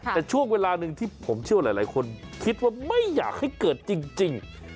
แต่ช่วงเวลาหนึ่งที่ผมเชื่อว่าหลายคนคิดว่าไม่อยากให้เกิดจริง